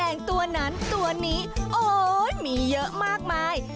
งตัวนั้นตัวนี้โอ๊ยมีเยอะมากมาย